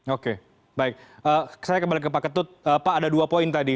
oke baik saya kembali ke pak ketut pak ada dua poin tadi